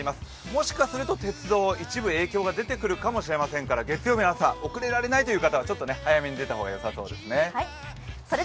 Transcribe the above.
もしかすると鉄道、一部影響が出てくるかもしれませんから、月曜日の朝、遅れられないという方はちょっと早めに出た方がいいかもしれません。